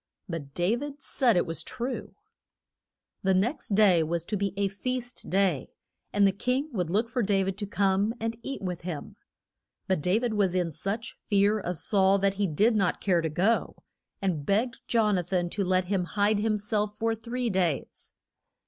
But Da vid said it was true. The next day was to be a feast day, and the king would look for Dav id to come and eat with him. But Da vid was in such fear of Saul that he did not care to go, and begged Jon a than to let him hide him self for three days.